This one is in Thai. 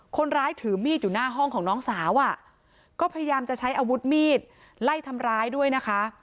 คนร้ายถือมีดอยู่หน้าห้องของน้องสาวอ่ะก็พยายามจะใช้อาวุธมีดไล่ทำร้ายด้วยนะคะ